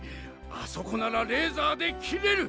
あそこならレーザーで切れる。